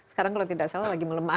sekarang kalau tidak salah lagi melemah